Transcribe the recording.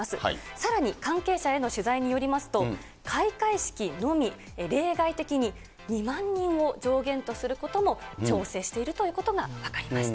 さらに関係者への取材によりますと、開会式のみ例外的に、２万人を上限とすることも調整しているということが分かりました。